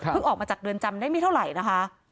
ออกมาจากเรือนจำได้ไม่เท่าไหร่นะคะ